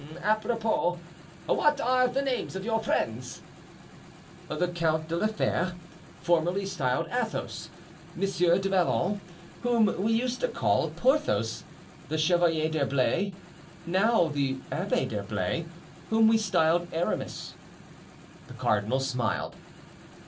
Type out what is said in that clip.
"Apropos, what are the names of your friends?" "The Count de la Fere, formerly styled Athos; Monsieur du Vallon, whom we used to call Porthos; the Chevalier d'Herblay, now the Abbé d'Herblay, whom we styled Aramis——" The cardinal smiled.